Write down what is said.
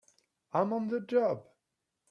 I'm on the job!